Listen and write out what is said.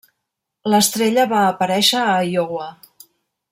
L'estrella va aparèixer a Iowa.